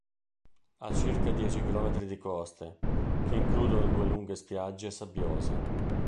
Ha circa dieci km di coste, che includono due lunghe spiagge sabbiose.